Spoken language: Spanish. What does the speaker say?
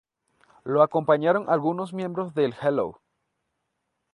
Lo acompañaron algunos miembros del Hello!